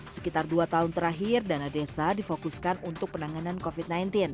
sekitar dua tahun terakhir dana desa difokuskan untuk penanganan covid sembilan belas